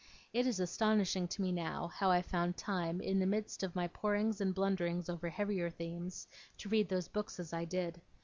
It is astonishing to me now, how I found time, in the midst of my porings and blunderings over heavier themes, to read those books as I did.